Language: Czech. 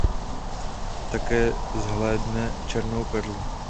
Také zahlédne "Černou perlu".